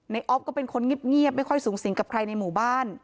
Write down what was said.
อ๊อฟก็เป็นคนเงียบไม่ค่อยสูงสิงกับใครในหมู่บ้าน